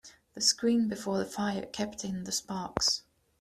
The screen before the fire kept in the sparks.